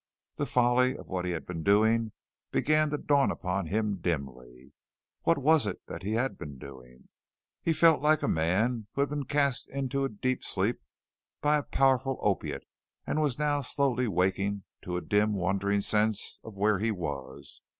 The folly of what he had been doing began to dawn upon him dimly. What was it that he had been doing? He felt like a man who had been cast into a deep sleep by a powerful opiate and was now slowly waking to a dim wondering sense of where he was.